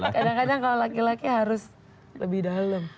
kadang kadang kalau laki laki harus lebih dalam